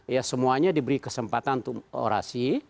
ya semuanya diberi kesempatan untuk orasi